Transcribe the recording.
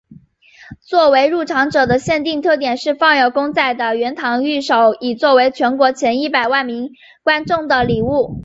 作为入场者的限定特典是放有公仔的圆堂御守以作为全国前一百万名观众的礼物。